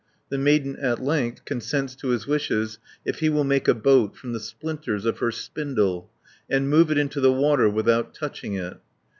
The maiden at length consents to his wishes if he will make a boat from the splinters of her spindle, and move it into the water without touching it (51 132).